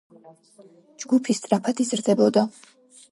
ჯგუფი სწრაფად იზრდებოდა.